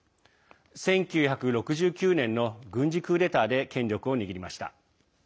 １９６９年の軍事クーデターで権力を握りました。